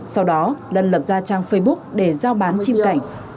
sau đó lân lập ra trang facebook để giao bán chim cảnh